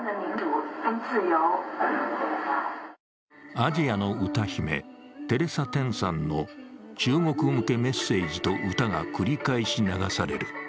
アジアの歌姫、テレサ・テンさんの中国向けメッセージと歌が繰り返し流される。